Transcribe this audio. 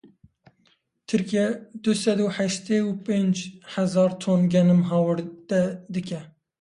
Tirkiye, du sed û heştê û penc hezar ton genim hawirde dike.